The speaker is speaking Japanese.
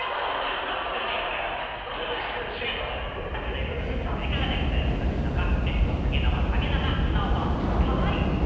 さあということで皆さんいかがでございましたでしょうか。